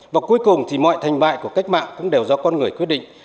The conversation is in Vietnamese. và cuối cùng thì mọi thành bại của cách mạng cũng đều do con người quyết định